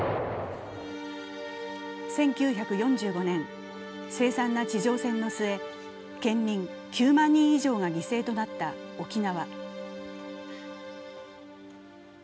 １９４５年、凄惨な地上戦の末、県民９万人以上が犠牲となった沖縄。